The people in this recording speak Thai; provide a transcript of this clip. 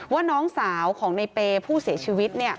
ว่าน้องสาวของในเปย์ผู้เสียชีวิต